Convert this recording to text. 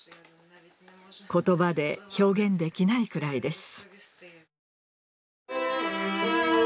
言葉で表現できないくらいです。